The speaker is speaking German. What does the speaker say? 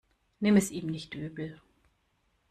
Nimm es ihm nicht übel.